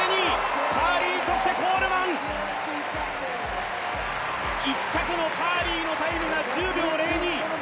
カーリー、そしてコールマン１着のカーリーのタイムが１０秒０２。